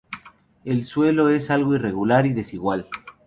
El suelo es algo irregular y desigual.